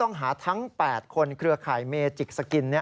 และอาจจะมีบางรายเข้าขายช่อกงประชาชนเพิ่มมาด้วย